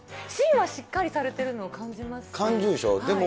しんはしっかりされてるのを感じますね。